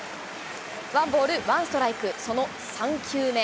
ワンボールワンストライク、その３球目。